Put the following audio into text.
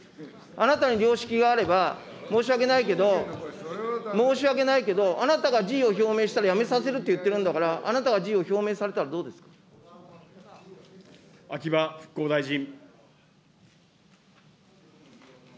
あなたに良識があれば、申し訳ないけど、申し訳ないけど、あなたが辞意を表明したら、辞めさせるって言ってるんだから、あなたが秋葉復興大臣。